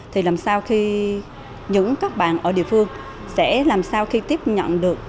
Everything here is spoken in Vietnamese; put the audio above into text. thì làm sao khi những các bạn ở địa phương sẽ làm sao khi tiếp nhận được